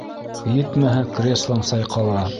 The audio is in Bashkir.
Етмәһә, креслаң сайҡала.